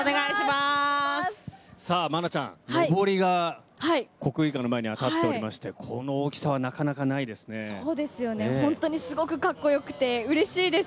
さあ、愛菜ちゃん、のぼりが国技館の前には立っておりまして、この大きさはなかなかそうですね、本当にすごくかっこよくて、うれしいです。